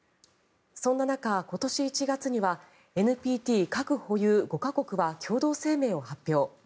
そんな中、今年１月にはＮＰＴ核保有５か国は共同声明を発表。